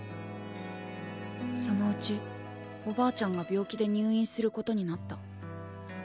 そのうちおばあちゃんが病気で入院することになった。